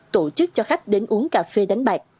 tổ chức cho khách đến uống cà phê đánh bạc